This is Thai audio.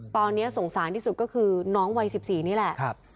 ตอนนี้สงสารที่สุดก็คือน้องวัย๑๔นี่แหละ